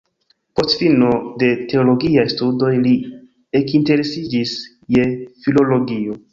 Post fino de teologiaj studoj li ekinteresiĝis je filologio.